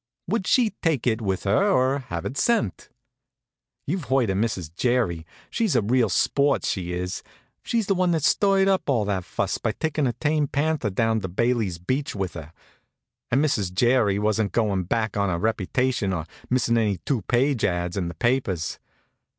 Would she take it with her, or have it sent? You've heard of Mrs. Jerry. She's a real sport, she is. She's the one that stirred up all that fuss by takin' her tame panther down to Bailey's Beach with her. And Mrs. Jerry wasn't goin' back on her reputation or missin' any two page ads. in the papers.